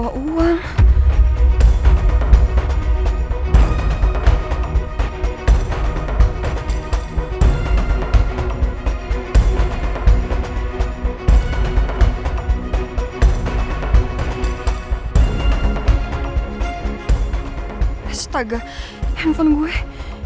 handphone gue ketinggalan lagi di rumah